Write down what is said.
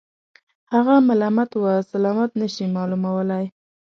هغه ملامت و سلامت نه شي معلومولای.